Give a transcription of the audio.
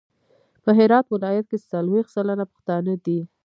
په هرات ولایت کې څلویښت سلنه پښتانه دي.